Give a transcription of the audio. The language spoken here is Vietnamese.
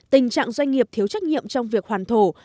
tình trạng doanh nghiệp thiếu trách nhiệm trong việc hoàn thổ